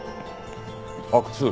阿久津